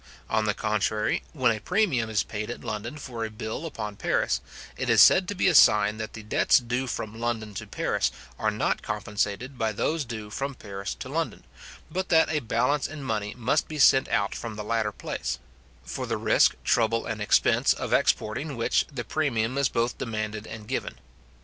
On the contrary, when a premium is paid at London for a bill upon Paris, it is said to be a sign that the debts due from London to Paris are not compensated by those due from Paris to London, but that a balance in money must be sent out from the latter place; for the risk, trouble, and expense, of exporting which, the premium is both demanded and given.